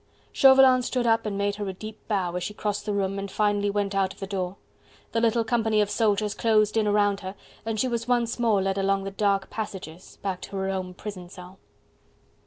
Chauvelin stood up and made her a deep bow, as she crossed the room and finally went out of the door. The little company of soldiers closed in around her and she was once more led along the dark passages, back to her own prison cell.